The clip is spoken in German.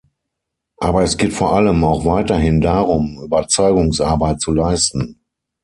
Aber es geht vor allem auch weiterhin darum, Überzeugungsarbeit zu leisten.